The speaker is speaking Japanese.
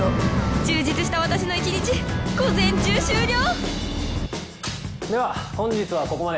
充実した私の一日午前中終了！では本日はここまで。